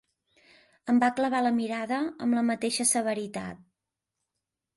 .. em va clavar la mirada amb la mateixa severitat.